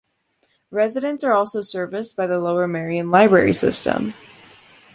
Residents are also serviced by the Lower Merion Library System.